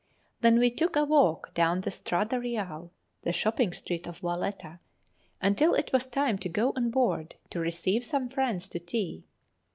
Then we took a walk down the Strada Reale, the shopping street of Valetta, until it was time to go on board to receive some friends to tea.